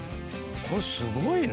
これすごいな。